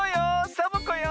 サボ子よ。